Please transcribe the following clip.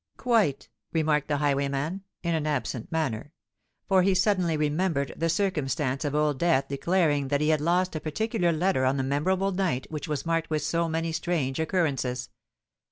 "Quite," remarked the highwayman, in an absent manner; for he suddenly remembered the circumstance of Old Death declaring that he had lost a particular letter on the memorable night which was marked with so many strange occurrences.